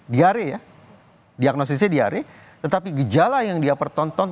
diare ya diagnosisnya diare tetapi gejala yang dia pertonton